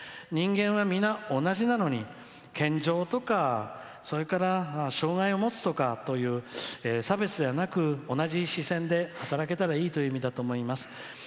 人間は、皆同じなのに、健常とかそれから障害を持つとか差別じゃなく同じ視線でいいという意味だと思います。